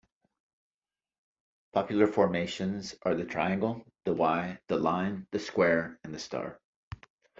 Popular formations are the triangle, the Y, the line, the square and the star.